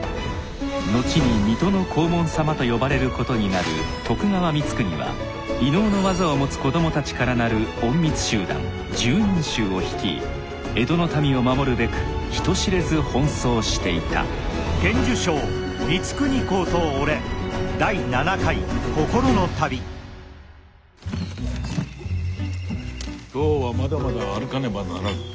後に水戸の黄門様と呼ばれることになる徳川光圀は異能の技を持つ子供たちからなる隠密集団拾人衆を率い江戸の民を守るべく人知れず奔走していた今日はまだまだ歩かねばならぬ。